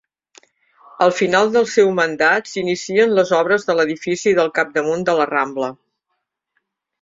Al final del seu mandat s'inicien les obres de l'edifici del capdamunt de la Rambla.